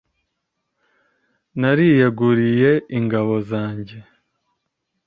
Nariyeguriye ingabo zanjye